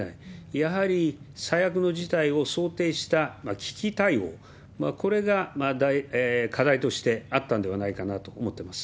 やはり最悪の事態を想定した危機対応、これが課題としてあったんではないかなと思ってます。